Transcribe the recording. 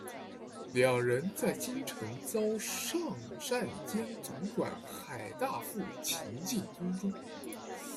两人在京城遭尚膳监总管海大富擒进宫中。